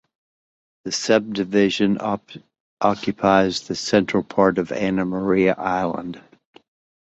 The subdivision occupies the central part of Anna Maria Island.